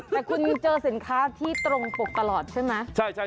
แต่คุณเจอสินค้าที่ตรงปกตลอดใช่ไหม